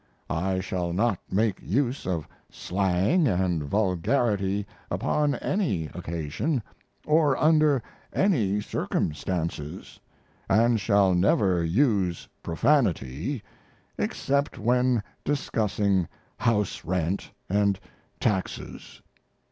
I shall not make use of slang and vulgarity upon any occasion or under any circumstances, and shall never use profanity except when discussing house rent and taxes.